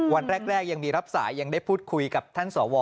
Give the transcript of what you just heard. วันแรกยังมีรับสายยังได้พูดคุยกับท่านสว